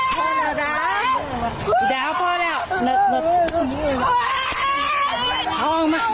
พอแล้วห้องมาฝากไปเฝาไปออ่ะ